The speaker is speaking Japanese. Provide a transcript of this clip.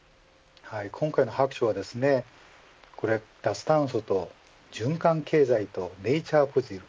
今回の白書は脱炭素と循環経済とネイチャーポジティブ